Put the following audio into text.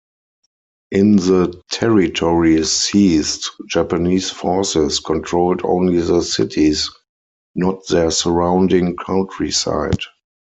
In the territories seized, Japanese forces controlled only the cities, not their surrounding countryside.